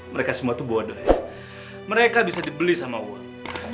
mereka semua itu bodoh mereka bisa dibeli sama uang